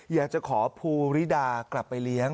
อยากจะขอภูริดากลับไปเลี้ยง